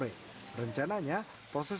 rencananya proses pembersihan akan diperlukan